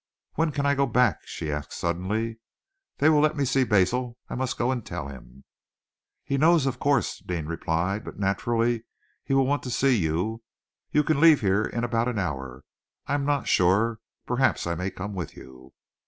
"When can I go back?" she asked suddenly. "They will let me see Basil. I must go and tell him." "He knows, of course," Deane replied, "but naturally he will want to see you. You can leave here in about an hour. I am not sure perhaps I may come with you."